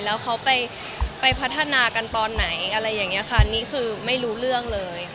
แล้วเขาไปพัฒนากันตอนไหนอะไรอย่างนี้ค่ะนี่คือไม่รู้เรื่องเลย